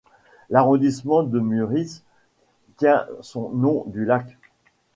L'arrondissement de Müritz tient son nom du lac.